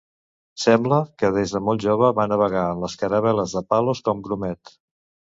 Sembla que des de molt jove va navegar en les caravel·les de Palos com grumet.